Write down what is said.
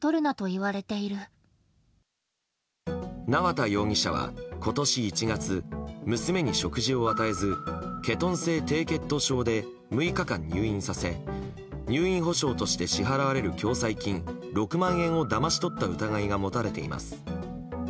縄田容疑者は今年１月娘に食事を与えずケトン性低血糖症で６日間入院させ入院保障として支払われる共済金６万円をだまし取った疑いが持たれています。